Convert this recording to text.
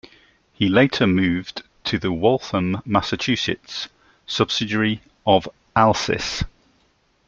He later moved to the Waltham, Massachusetts subsidiary of Alsys.